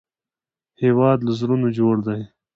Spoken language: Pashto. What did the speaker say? هېواد له زړونو جوړ دی